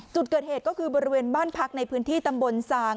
จุดเกิดเหตุก็คือบริเวณบ้านพักในพื้นที่ตำบลสาง